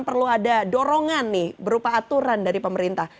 perlu ada dorongan nih berupa aturan dari pemerintah